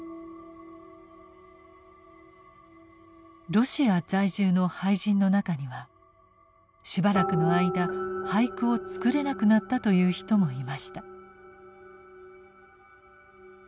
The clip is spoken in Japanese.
ロシア在住の俳人の中にはしばらくの間俳句を作れなくなったという人もいました。